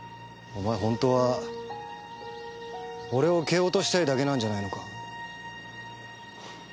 お前本当は俺を蹴落としたいだけなんじゃないのか。